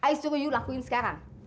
i suruh you lakuin sekarang